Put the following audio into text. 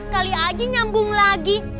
kali aja nyambung lagi